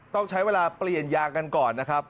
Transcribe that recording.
ต้องใช้เวลาเปลี่ยนยางกันก่อนนะครับ